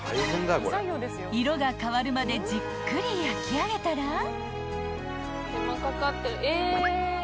［色が変わるまでじっくり焼きあげたら］